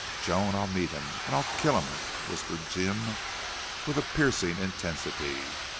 "Joan, I'll meet him and I'll KILL him," whispered Jim, with a piercing intensity.